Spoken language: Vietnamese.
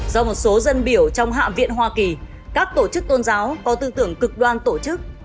do một số dân biểu trong hạ viện hoa kỳ các tổ chức tôn giáo có tư tưởng cực đoan tổ chức